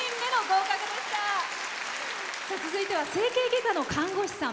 続いては整形外科の看護師さん。